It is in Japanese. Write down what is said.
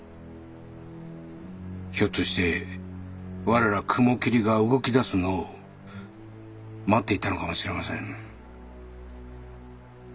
ひょっとして我ら雲霧が動き出すのを待っていたのかもしれません。